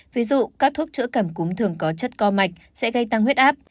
ví dụ các thuốc chữa cầm cúm thường có chất co mạch sẽ gây tăng huyết áp